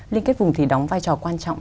linh kết vùng thì đóng vai trò quan trọng